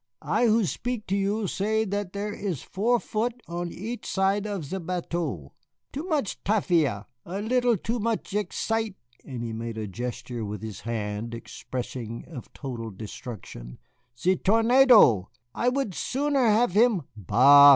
"I who speak to you say that there is four foot on each side of ze bateau. Too much tafia, a little too much excite " and he made a gesture with his hand expressive of total destruction; "ze tornado, I would sooner have him " "Bah!"